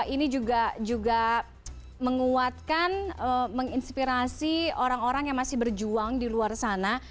ini juga menguatkan menginspirasi orang orang yang masih berjuang di luar sana